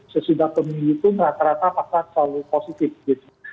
sesudah pemilu itu rata rata pasar selalu positif gitu